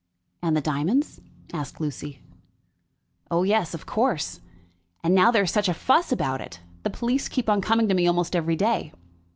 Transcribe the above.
"And the diamonds?" asked Lucy. "Oh yes; of course. And now there is such a fuss about it! The police keep on coming to me almost every day."